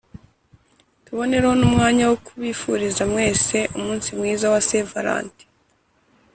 Tubonereho n’umwanya wo kubifuriza mwese Umunsi mwiza wa St Valentin